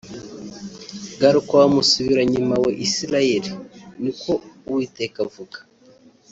‘Garuka wa musubiranyuma we Isilayeli’ ni ko Uwiteka avuga”